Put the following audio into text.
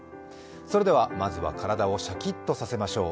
それでは、まずは体をシャキッとさせましょう。